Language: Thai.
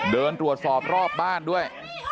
เดินตรวจสอบรอบบ้านด้วย